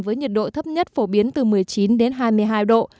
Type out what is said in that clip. với nhiệt độ thấp nhất phổ biến từ một mươi chín đến hai mươi hai độ